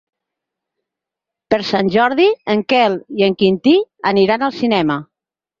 Per Sant Jordi en Quel i en Quintí aniran al cinema.